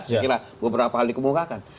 saya kira beberapa hal dikemukakan